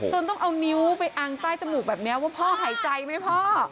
ต้องเอานิ้วไปอังใต้จมูกแบบนี้ว่าพ่อหายใจไหมพ่อ